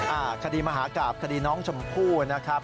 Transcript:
อ่าคดีมหากราบคดีน้องชมพู่นะครับ